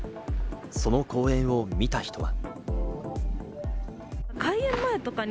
その公演を見た人は。